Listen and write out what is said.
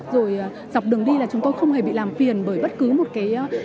rồi dọc đường đi là chúng tôi không hề bị làm phiền bởi bất cứ một cái